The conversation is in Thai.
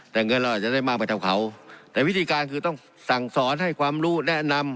แต่เงินเราอาจจะได้มากไปเท่าเขาแต่วิธีการคือต้องสั่งสอนให้ความรู้แนะนำ